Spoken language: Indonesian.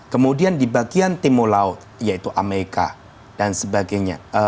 kemudian di bagian timur laut yaitu amerika dan sebagainya